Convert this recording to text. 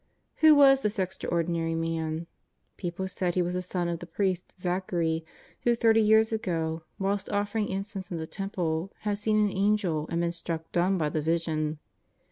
Who was this extraordinary man? People said he was the son of the priest Zachary, who, thirty years ago, whilst offering incense in the Temple had seen an Angel and been struck dumb by the vision.